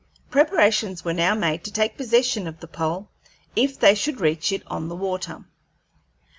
Preparations were now made to take possession of the pole if they should reach it on the water.